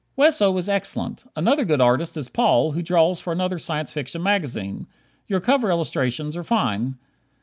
Wesso is excellent. Another good artist is Paul, who draws for another Science Fiction magazine. Your cover illustrations are fine.